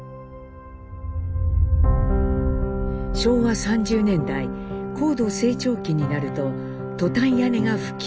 昭和３０年代高度成長期になるとトタン屋根が普及。